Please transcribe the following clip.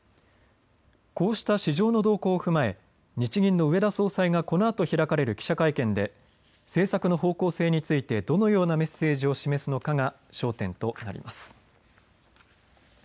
こうした市場の動向を踏まえ日銀の植田総裁がこのあと開かれる記者会見で政策の方向性についてどのようなメッセージを示すのかが焦点となります。